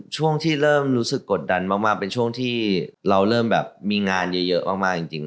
ช่วงที่เริ่มรู้สึกกดดันมากเป็นช่วงที่เราเริ่มแบบมีงานเยอะมากจริง